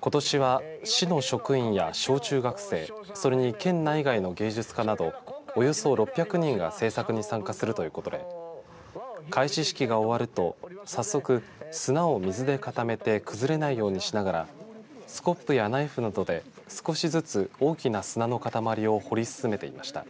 ことしは市の職員や小中学生それに、県内外の芸術家などおよそ６００人が制作に参加するということで開始式が終わると早速、砂を水で固めて崩れないようにしながらスコップやナイフなどで少しずつ大きな砂の塊を掘り進めていました。